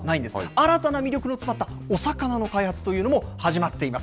新たな魅力の詰まったお魚の開発というのも始まっています。